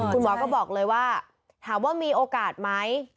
คุณหมอก็บอกเลยว่าถามว่ามีโอกาสไหม